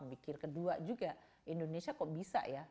mikir kedua juga indonesia kok bisa ya